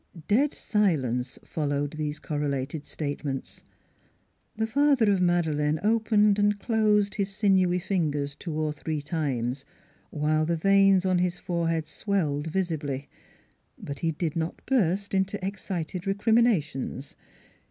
Dead silence followed these correlated state ments. The father of Madeleine opened and closed his sinewy fingers two or three times, while the veins on his forehead swelled visibly. But he did not burst into excited recriminations.